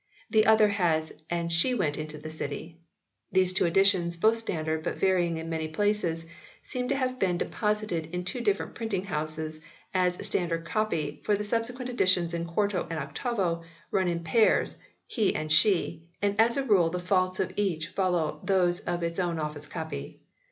The other has "and SHE went into the city." These two editions, both standard but varying in many places, seem to have been deposited in two different printing houses as standard copy, for the subsequent editions in quarto and octavo, run in pairs, he and she, and as a rule the faults of each follow those of its own office copy.